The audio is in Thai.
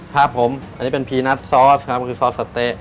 ครับผมอันนี้เป็นพีนัสซอสครับก็คือซอสสะเต๊ะ